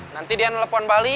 nanti dia ngelepon balik